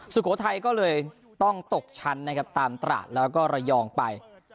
สุโขทัยก็เลยต้องตกชั้นนะครับตามตราดแล้วก็ระยองไป